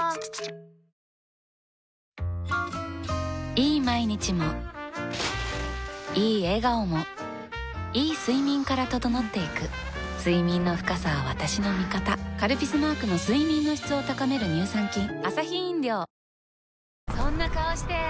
いい毎日もいい笑顔もいい睡眠から整っていく睡眠の深さは私の味方「カルピス」マークの睡眠の質を高める乳酸菌そんな顔して！